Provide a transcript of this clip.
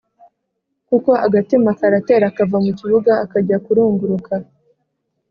kuko agatima karatera akava mukibuga akajya kurunguruka